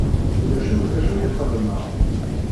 Ulac akk d acu i xedmeɣ.